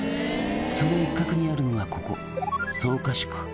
「その一角にあるのがここ」